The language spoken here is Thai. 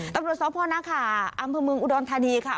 ตรวจสอบพอนะคะอำเภอเมืองอุดรณฑานีค่ะ